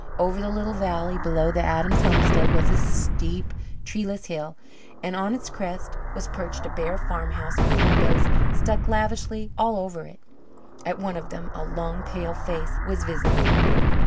Over the little valley below the Adams homestead was a steep, treeless hill, and on its crest was perched a bare farmhouse with windows stuck lavishly all over it. At one of them a long, pale face was visible.